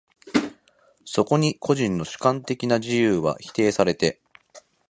そこに個人の主観的な自由は否定されて、